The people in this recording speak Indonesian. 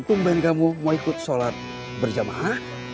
tumban kamu mau ikut sholat berjamaah